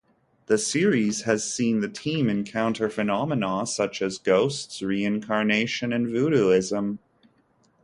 The series has seen the team encounter phenomena such as ghosts, reincarnation and voodooism.